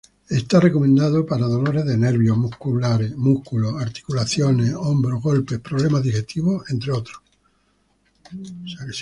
Es recomendado para dolores de nervios, músculos, articulaciones, hombro, golpes, problemas digestivos, entre otros.